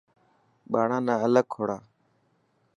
ٻاڙان نا الگ ڪوڙائو.